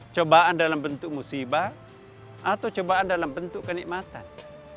cobaan dalam bentuk musibah atau cobaan dalam bentuk kenikmatan